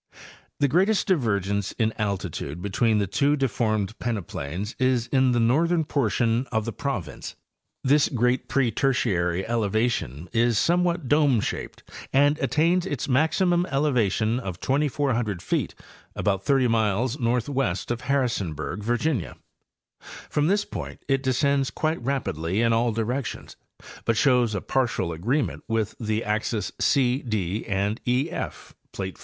The greatest divergence in altitude between the two deformed peneplains is in the northern portion of the province. This great pre Tertiary elevation is somewhat dome shaped and at tains its maximum elevation of 2,400 feet about 30 miles north west of Harrisonburg, Virginia; from this point it descends quite rapidly in all directions, but shows a partial agreement with the axes O Dand E F (plate 5).